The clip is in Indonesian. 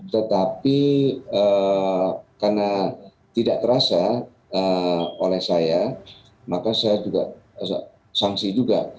tetapi karena tidak terasa oleh saya maka saya juga sangsi juga